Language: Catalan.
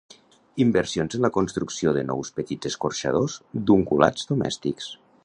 Inversions en la construcció de nous petits escorxadors d'ungulats domèstics.